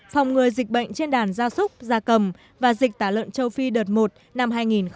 phòng ngừa dịch bệnh trên đàn gia súc gia cầm và dịch tả lợn châu phi đợt một năm hai nghìn một mươi chín